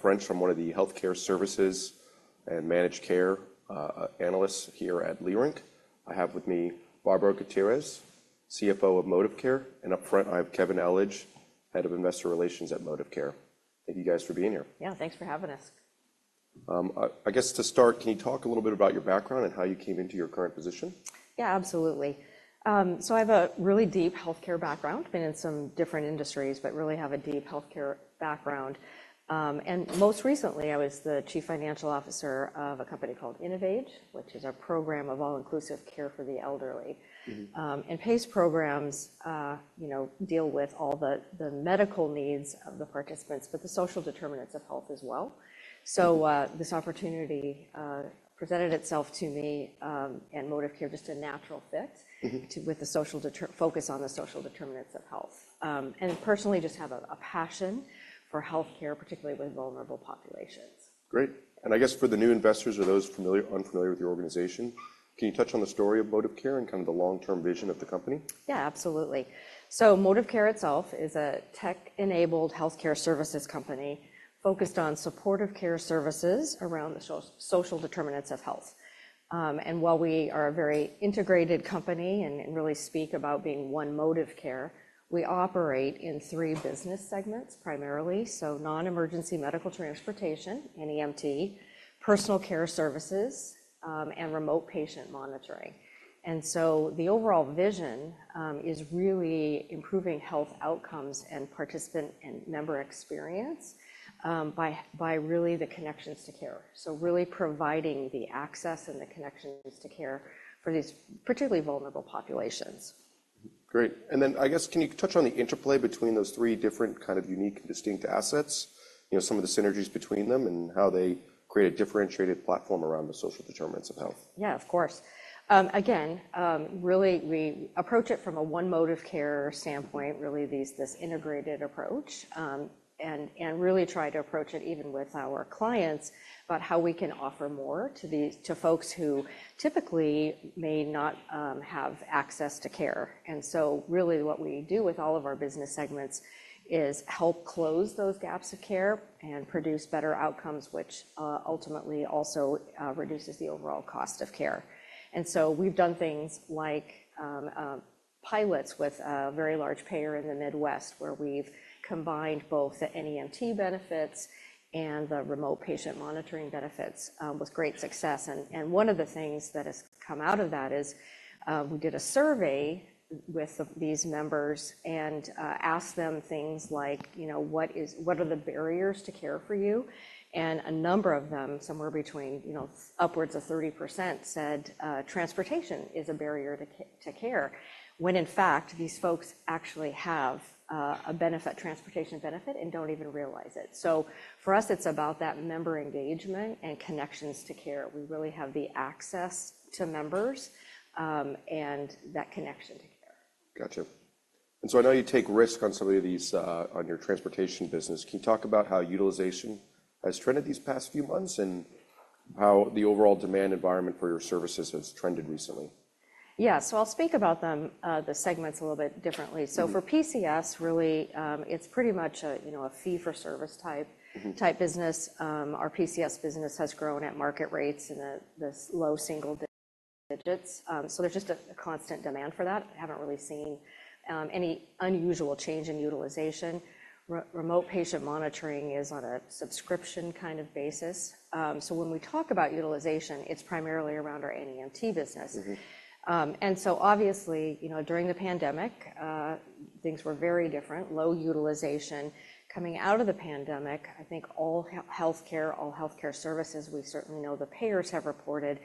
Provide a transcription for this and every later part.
John French from one of the healthcare services and managed care analysts here at Leerink. I have with me Barbara Gutierrez, CFO of Modivcare, and up front, I have Kevin Ellich, Head of Investor Relations at Modivcare. Thank you guys for being here. Yeah, thanks for having us. I guess to start, can you talk a little bit about your background and how you came into your current position? Yeah, absolutely. So I have a really deep healthcare background. Been in some different industries, but really have a deep healthcare background. And most recently, I was the Chief Financial Officer of a company called InnovAge, which is a Program of All-Inclusive Care for the Elderly. Mm-hmm. And PACE programs, you know, deal with all the medical needs of the participants, but the social determinants of health as well. So, this opportunity presented itself to me, and Modivcare, just a natural fit- Mm-hmm... with the social focus on the social determinants of health. And personally just have a passion for healthcare, particularly with vulnerable populations. Great. I guess for the new investors or those unfamiliar with your organization, can you touch on the story of Modivcare and kind of the long-term vision of the company? Yeah, absolutely. So Modivcare itself is a tech-enabled healthcare services company focused on supportive care services around the social determinants of health. And while we are a very integrated company and really speak about being one Modivcare, we operate in three business segments, primarily: non-emergency medical transportation, NEMT, personal care services, and remote patient monitoring. So the overall vision is really improving health outcomes and participant and member experience by really the connections to care. So really providing the access and the connections to care for these particularly vulnerable populations. Great. And then, I guess, can you touch on the interplay between those three different kind of unique and distinct assets? You know, some of the synergies between them and how they create a differentiated platform around the social determinants of health. Yeah, of course. Again, really, we approach it from a Modivcare standpoint, really, this integrated approach, and really try to approach it even with our clients, about how we can offer more to these, to folks who typically may not have access to care. So really, what we do with all of our business segments is help close those gaps of care and produce better outcomes, which ultimately also reduces the overall cost of care. So we've done things like pilots with a very large payer in the Midwest, where we've combined both the NEMT benefits and the remote patient monitoring benefits with great success. And one of the things that has come out of that is, we did a survey of these members and asked them things like, you know, "What are the barriers to care for you?" And a number of them, somewhere between, you know, upwards of 30%, said: "Transportation is a barrier to care," when in fact, these folks actually have a benefit, transportation benefit and don't even realize it. So for us, it's about that member engagement and connections to care. We really have the access to members and that connection to care. Gotcha. And so I know you take risk on some of these, on your transportation business. Can you talk about how utilization has trended these past few months and how the overall demand environment for your services has trended recently? Yeah. So I'll speak about them, the segments a little bit differently. Mm-hmm. For PCS, really, it's pretty much a, you know, a fee-for-service type- Mm-hmm... type business. Our PCS business has grown at market rates in the low single digits. So there's just a constant demand for that. I haven't really seen any unusual change in utilization. Remote Patient Monitoring is on a subscription kind of basis. So when we talk about utilization, it's primarily around our NEMT business. Mm-hmm. And so obviously, you know, during the pandemic, things were very different, low utilization. Coming out of the pandemic, I think all healthcare, all healthcare services, we certainly know the payers have reported,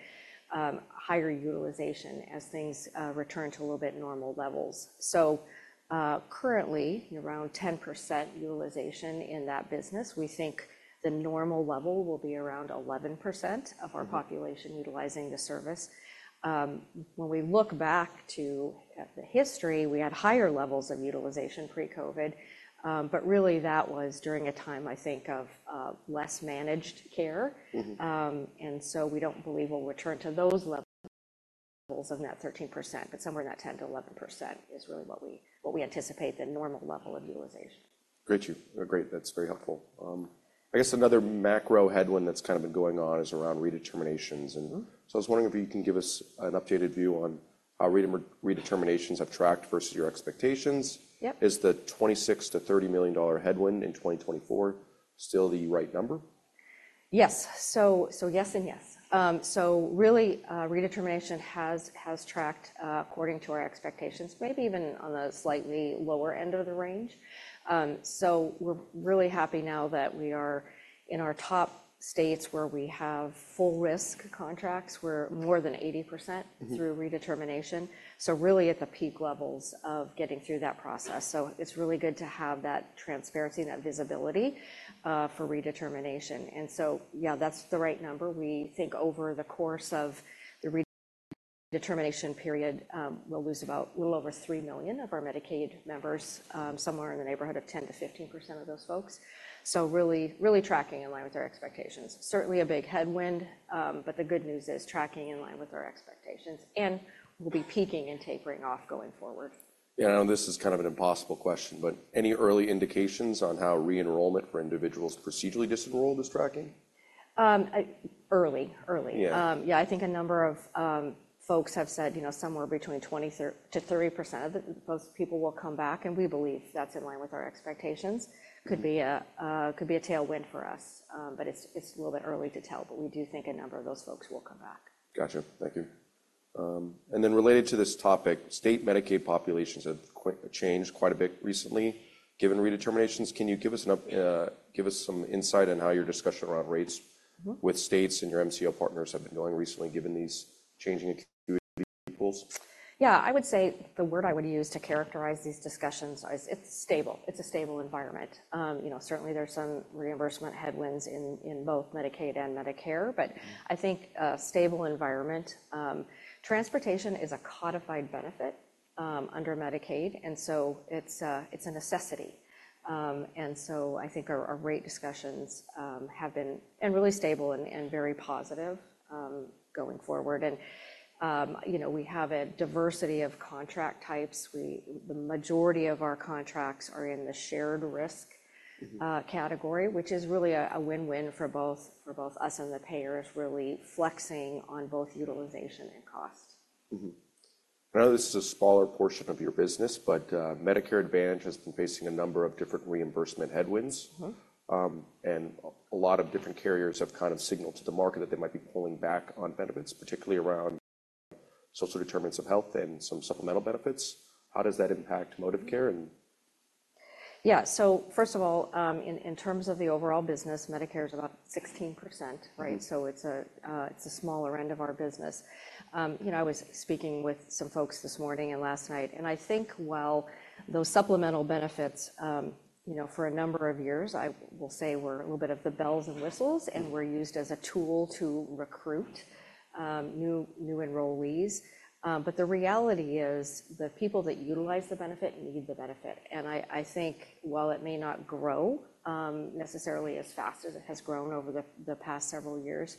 higher utilization as things return to a little bit normal levels. So, currently, around 10% utilization in that business. We think the normal level will be around 11% of our- Mm-hmm... population utilizing the service. When we look back at the history, we had higher levels of utilization pre-COVID, but really that was during a time, I think, of less managed care. Mm-hmm. And so we don't believe we'll return to those levels of net 13%, but somewhere in that 10%-11% is really what we anticipate the normal level of utilization. Got you. Great, that's very helpful. I guess another macro headwind that's kind of been going on is around redeterminations- Mm-hmm... so I was wondering if you can give us an updated view on how redeterminations have tracked versus your expectations? Yep. Is the $26 million-$30 million headwind in 2024 still the right number? Yes. So, so yes and yes. So really, redetermination has tracked according to our expectations, maybe even on the slightly lower end of the range. So we're really happy now that we are in our top states, where we have full risk contracts. We're more than 80%- Mm-hmm... through redetermination, so really at the peak levels of getting through that process. So it's really good to have that transparency and that visibility for redetermination. And so, yeah, that's the right number. We think over the course of the redetermination period, we'll lose about a little over 3 million of our Medicaid members, somewhere in the neighborhood of 10%-15% of those folks. So really, really tracking in line with our expectations. Certainly, a big headwind, but the good news is tracking in line with our expectations, and we'll be peaking and tapering off going forward. Yeah, I know this is kind of an impossible question, but any early indications on how re-enrollment for individuals procedurally disenrolled is tracking?... early, early. Yeah. Yeah, I think a number of folks have said, you know, somewhere between 23%-30% of those people will come back, and we believe that's in line with our expectations. Mm-hmm. Could be a tailwind for us, but it's a little bit early to tell, but we do think a number of those folks will come back. Gotcha. Thank you. And then related to this topic, state Medicaid populations have changed quite a bit recently, given redeterminations. Can you give us some insight on how your discussion around rates- Mm-hmm... with states and your MCO partners have been going recently, given these changing pools? Yeah, I would say the word I would use to characterize these discussions is it's stable. It's a stable environment. You know, certainly, there are some reimbursement headwinds in both Medicaid and Medicare- Mm-hmm... but I think a stable environment. Transportation is a codified benefit under Medicaid, and so it's a necessity. And so I think our rate discussions have been and really stable and very positive going forward. And you know, we have a diversity of contract types. We, the majority of our contracts are in the shared risk- Mm-hmm... category, which is really a win-win for both us and the payers, really flexing on both utilization and cost. Mm-hmm. I know this is a smaller portion of your business, but, Medicare Advantage has been facing a number of different reimbursement headwinds. Mm-hmm. And a lot of different carriers have kind of signaled to the market that they might be pulling back on benefits, particularly around social determinants of health and some supplemental benefits. How does that impact Modivcare and...? Yeah. So first of all, in terms of the overall business, Medicare is about 16%, right? Mm-hmm. So it's a, it's a smaller end of our business. You know, I was speaking with some folks this morning and last night, and I think while those supplemental benefits, you know, for a number of years, I will say, were a little bit of the bells and whistles- Mm-hmm... and were used as a tool to recruit new enrollees. But the reality is, the people that utilize the benefit need the benefit, and I think while it may not grow necessarily as fast as it has grown over the past several years,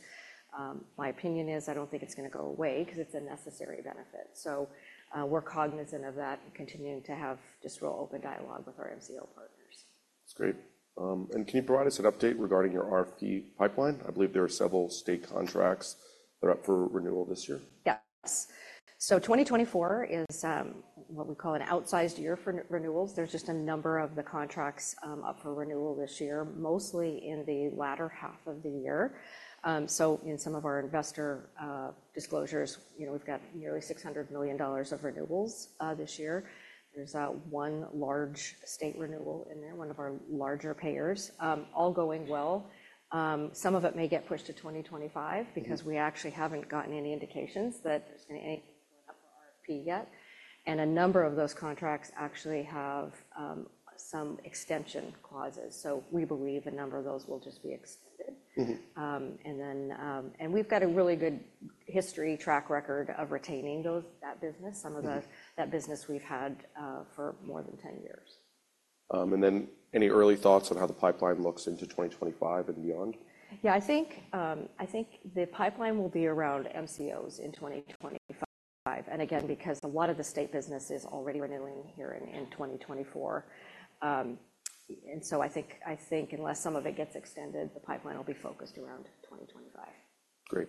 my opinion is I don't think it's gonna go away because it's a necessary benefit. So, we're cognizant of that and continuing to have just real open dialogue with our MCO partners. That's great. Can you provide us an update regarding your RFP pipeline? I believe there are several state contracts that are up for renewal this year. Yes. So 2024 is, what we call an outsized year for renewals. There's just a number of the contracts, up for renewal this year, mostly in the latter half of the year. So in some of our investor, disclosures, you know, we've got nearly $600 million of renewals, this year. There's, one large state renewal in there, one of our larger payers. All going well. Some of it may get pushed to 2025- Mm-hmm... because we actually haven't gotten any indications that there's gonna be anything going up for RFP yet, and a number of those contracts actually have some extension clauses. So we believe a number of those will just be extended. Mm-hmm. We've got a really good history track record of retaining those, that business. Mm-hmm. Some of that business we've had for more than 10 years. Any early thoughts on how the pipeline looks into 2025 and beyond? Yeah, I think, I think the pipeline will be around MCOs in 2025. And again, because a lot of the state business is already renewing here in 2024. And so I think, I think unless some of it gets extended, the pipeline will be focused around 2025. Great.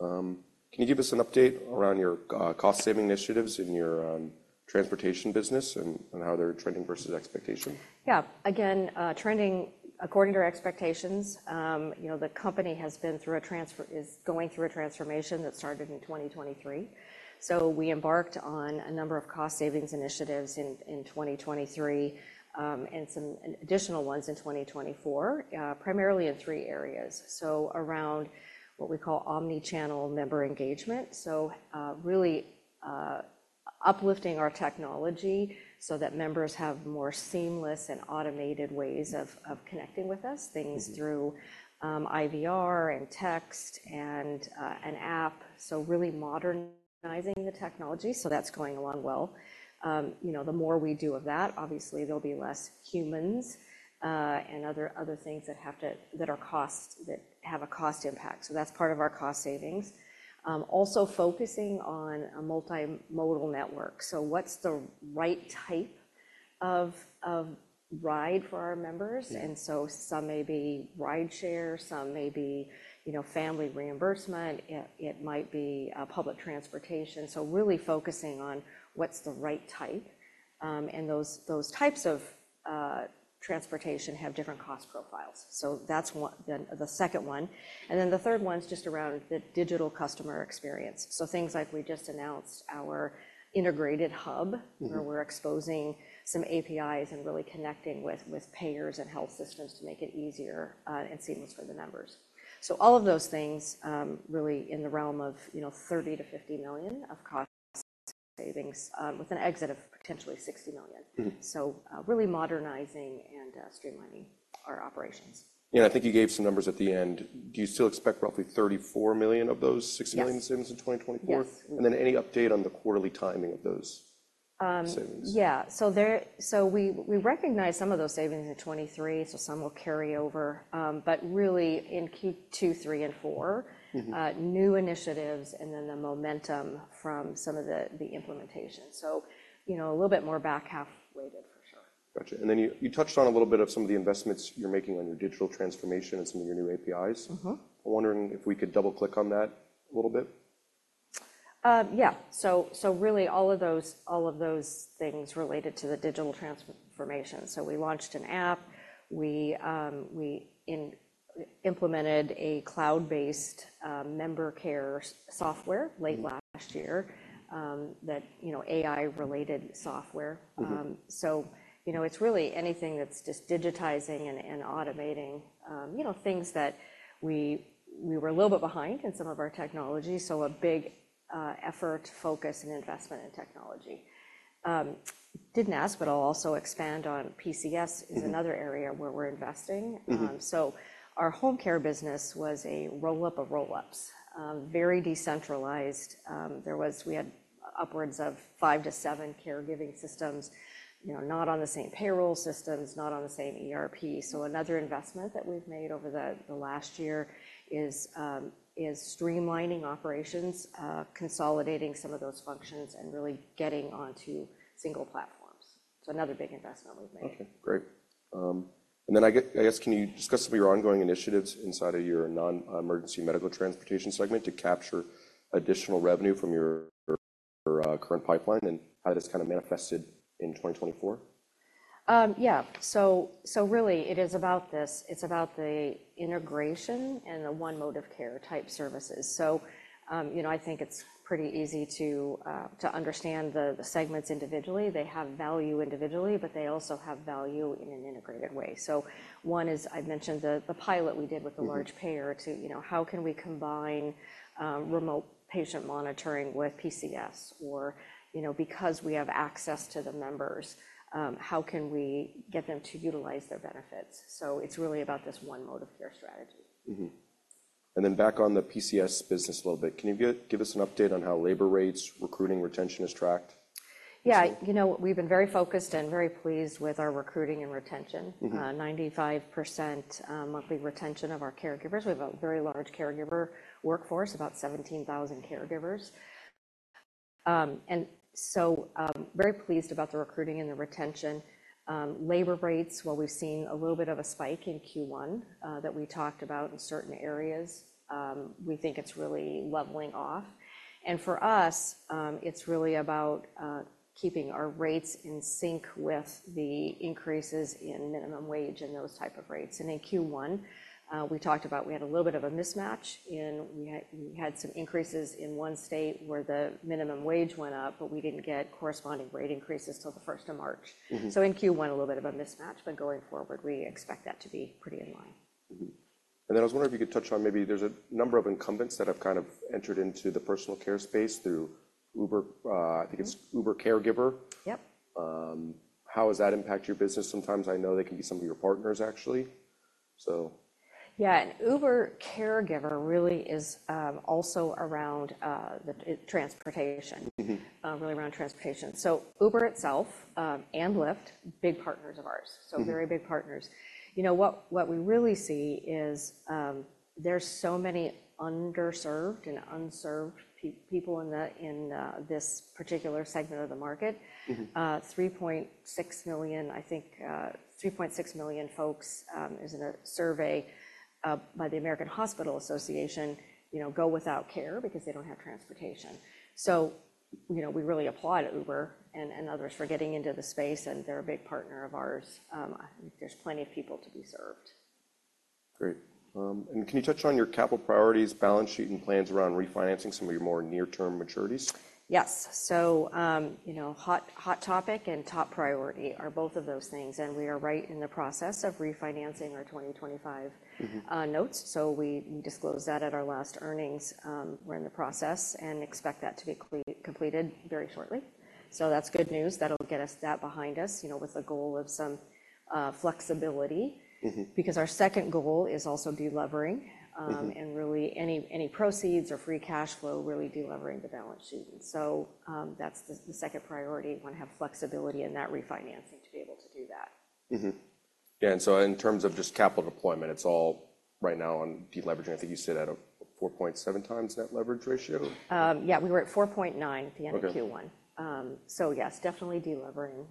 Can you give us an update around your cost-saving initiatives in your transportation business and how they're trending versus expectation? Yeah. Again, trending according to our expectations, you know, the company is going through a transformation that started in 2023. So we embarked on a number of cost savings initiatives in 2023, and some additional ones in 2024, primarily in three areas. So around what we call omni-channel member engagement. So, really, uplifting our technology so that members have more seamless and automated ways of connecting with us. Mm-hmm. Things through IVR and text and an app. So really modernizing the technology, so that's going along well. You know, the more we do of that, obviously, there'll be less humans and other things that are costs, that have a cost impact, so that's part of our cost savings. Also focusing on a multimodal network. So what's the right type of ride for our members? Mm-hmm. And so some may be rideshare, some may be, you know, family reimbursement, it might be public transportation. So really focusing on what's the right type, and those types of transportation have different cost profiles. So that's one, then the second one, and then the third one is just around the digital customer experience. So things like we just announced our Integration Hub- Mm-hmm... where we're exposing some APIs and really connecting with, with payers and health systems to make it easier, and seamless for the members. So all of those things, really in the realm of, you know, $30 million-$50 million of cost savings, with an exit of potentially $60 million. Mm-hmm. So, really modernizing and streamlining our operations. Yeah, I think you gave some numbers at the end. Do you still expect roughly $34 million of those? Yes... $60 million savings in 2024? Yes. Any update on the quarterly timing of those savings? Yeah. So we recognized some of those savings in 2023, so some will carry over. But really in Q2, Q3, and Q4- Mm-hmm... new initiatives and then the momentum from some of the implementation. So, you know, a little bit more back half weighted.... Gotcha. And then you, you touched on a little bit of some of the investments you're making on your digital transformation and some of your new APIs. Mm-hmm. I'm wondering if we could double-click on that a little bit. Yeah. So really, all of those, all of those things related to the digital transformation. So we launched an app. We implemented a cloud-based member care software- Mm-hmm late last year, that, you know, AI-related software. Mm-hmm. So, you know, it's really anything that's just digitizing and automating, you know, things that we were a little bit behind in some of our technology, so a big effort, focus, and investment in technology. Didn't ask, but I'll also expand on PCS- Mm-hmm is another area where we're investing. Mm-hmm. So our home care business was a roll-up of roll-ups. Very decentralized. There was. We had upwards of 5-7 caregiving systems, you know, not on the same payroll systems, not on the same ERP. So another investment that we've made over the last year is streamlining operations, consolidating some of those functions, and really getting onto single platforms. So another big investment we've made. Okay, great. And then I guess, can you discuss some of your ongoing initiatives inside of your non-emergency medical transportation segment to capture additional revenue from your current pipeline and how that's kind of manifested in 2024? Yeah. So really, it is about this. It's about the integration and the one Modivcare type services. So, you know, I think it's pretty easy to understand the segments individually. They have value individually, but they also have value in an integrated way. So one is. I mentioned the pilot we did with- Mm-hmm a large payer to, you know, how can we combine remote patient monitoring with PCS? Or, you know, because we have access to the members, how can we get them to utilize their benefits? So it's really about this one Modivcare strategy. Mm-hmm. And then back on the PCS business a little bit. Can you give, give us an update on how labor rates, recruiting, retention is tracked? Yeah. You know, we've been very focused and very pleased with our recruiting and retention. Mm-hmm. 95% monthly retention of our caregivers. We have a very large caregiver workforce, about 17,000 caregivers. And so, very pleased about the recruiting and the retention. Labor rates, while we've seen a little bit of a spike in Q1 that we talked about in certain areas, we think it's really leveling off. And for us, it's really about keeping our rates in sync with the increases in minimum wage and those type of rates. And in Q1, we talked about we had a little bit of a mismatch in. We had some increases in one state where the minimum wage went up, but we didn't get corresponding rate increases till the first of March. Mm-hmm. In Q1, a little bit of a mismatch, but going forward, we expect that to be pretty in line. Mm-hmm. And then I was wondering if you could touch on, maybe there's a number of incumbents that have kind of entered into the personal care space through Uber. Mm-hmm... I think it's Uber Caregiver. Yep. How has that impacted your business? Sometimes I know they can be some of your partners, actually, so. Yeah, Uber Caregiver really is also around the transportation- Mm-hmm Really around transportation. So Uber itself, and Lyft, big partners of ours. Mm-hmm. So very big partners. You know, what, what we really see is, there's so many underserved and unserved people in the, in this particular segment of the market. Mm-hmm. 3.6 million, I think, 3.6 million folks is in a survey by the American Hospital Association, you know, go without care because they don't have transportation. So, you know, we really applaud Uber and, and others for getting into the space, and they're a big partner of ours. I think there's plenty of people to be served. Great. Can you touch on your capital priorities, balance sheet, and plans around refinancing some of your more near-term maturities? Yes. So, you know, hot, hot topic and top priority are both of those things, and we are right in the process of refinancing our 2025- Mm-hmm Notes. So we disclosed that at our last earnings. We're in the process and expect that to be completed very shortly. So that's good news. That'll get us that behind us, you know, with the goal of some flexibility. Mm-hmm. Because our second goal is also delevering- Mm-hmm And really any proceeds or free cash flow, really delevering the balance sheet. So, that's the second priority. Want to have flexibility in that refinancing to be able to do that. Mm-hmm. Yeah, and so in terms of just capital deployment, it's all right now on deleveraging. I think you said at a 4.7x net leverage ratio? Yeah, we were at 4.9 at the end of Q1. Okay. So yes, definitely delevering.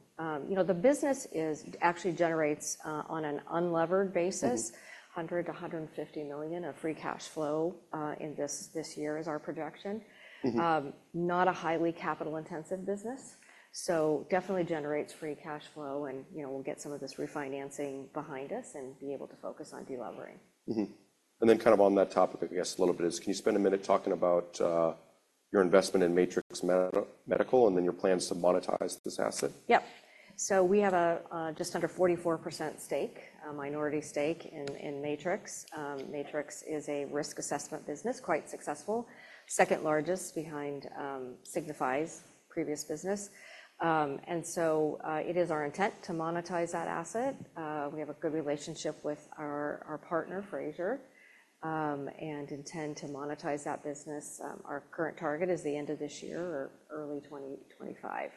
You know, the business is actually generates on an unlevered basis- Mm-hmm $100 million-$150 million of free cash flow in this year is our projection. Mm-hmm. Not a highly capital-intensive business, so definitely generates free cash flow, and, you know, we'll get some of this refinancing behind us and be able to focus on delevering. Mm-hmm. And then kind of on that topic, I guess, a little bit is, can you spend a minute talking about your investment in Matrix Medical and then your plans to monetize this asset? Yep. So we have a just under 44% stake, a minority stake in Matrix. Matrix is a risk assessment business, quite successful, second largest behind Signify's previous business. And so it is our intent to monetize that asset. We have a good relationship with our partner, Frazier, and intend to monetize that business. Our current target is the end of this year or early 2025.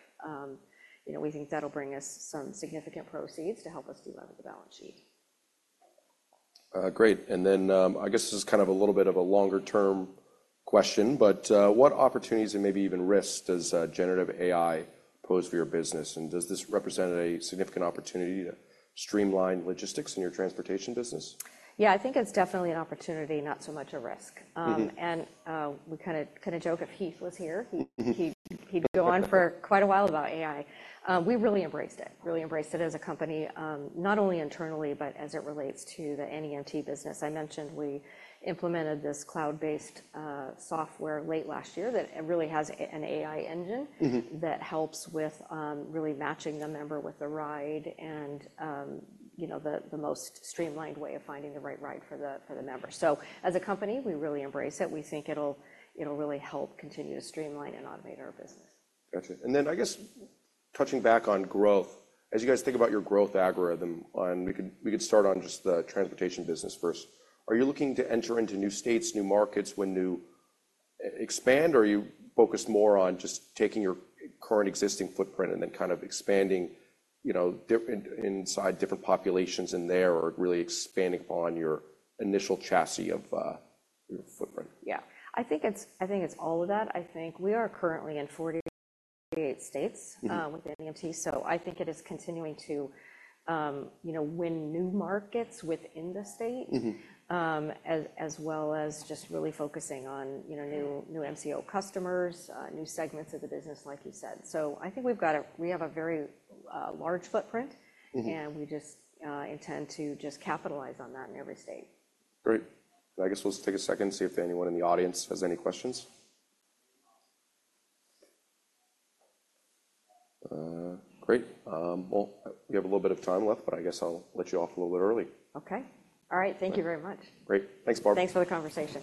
You know, we think that'll bring us some significant proceeds to help us delever the balance sheet.... Great! And then, I guess this is kind of a little bit of a longer-term question, but, what opportunities and maybe even risks does generative AI pose for your business? And does this represent a significant opportunity to streamline logistics in your transportation business? Yeah, I think it's definitely an opportunity, not so much a risk. Mm-hmm. We kinda joke if Heath was here. Mm-hmm. He'd go on for quite a while about AI. We really embraced it, really embraced it as a company, not only internally, but as it relates to the NEMT business. I mentioned we implemented this cloud-based software late last year that really has an AI engine. Mm-hmm... that helps with really matching the member with the ride and, you know, the most streamlined way of finding the right ride for the member. So as a company, we really embrace it. We think it'll really help continue to streamline and automate our business. Gotcha. And then, I guess, touching back on growth, as you guys think about your growth algorithm, and we could, we could start on just the transportation business first, are you looking to enter into new states, new markets when you expand, or are you focused more on just taking your current existing footprint and then kind of expanding, you know, inside different populations in there, or really expanding upon your initial chassis of, your footprint? Yeah. I think it's, I think it's all of that. I think we are currently in 48 states- Mm-hmm... with the NEMT, so I think it is continuing to, you know, win new markets within the state- Mm-hmm... as well as just really focusing on, you know, new MCO customers, new segments of the business, like you said. So I think we've got a-- we have a very large footprint- Mm-hmm... and we just intend to just capitalize on that in every state. Great. I guess we'll just take a second and see if anyone in the audience has any questions. Great. Well, we have a little bit of time left, but I guess I'll let you off a little bit early. Okay. All right. Thank you very much. Great. Thanks, Barbara. Thanks for the conversation.